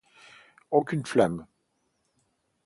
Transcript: Aucune flamme ;